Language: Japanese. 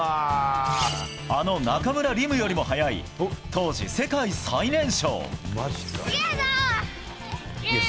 あの中村輪夢よりも早い当時、世界最年少。